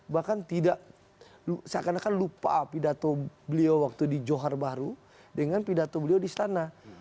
bahkan tidak seakan akan lupa pidato beliau waktu di johar baru dengan pidato beliau di istana